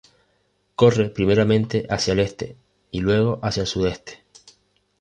Corre primeramente hacia el este, y luego hacia el sudeste.